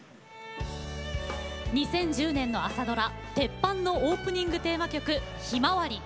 ２０１０年の朝ドラ「てっぱん」のオープニングテーマ曲「ひまわり」。